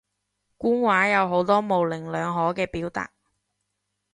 官話有好多模棱兩可嘅表達